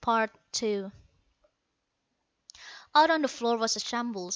Out on the floor was a shambles.